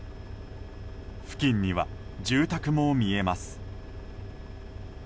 付近には住宅も見えます。